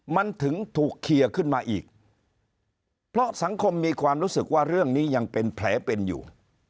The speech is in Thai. มันถึงถูกเคลียร์ขึ้นมาอีกเพราะสังคมมีความรู้สึกว่าเรื่องนี้ยังเป็นแผลเป็นอยู่